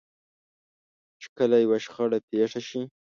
چې کله يوه شخړه پېښه شي.